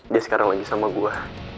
dia sekarang lagi sama gue